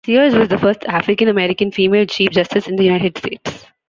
Sears was the first African-American female Chief Justice in the United States.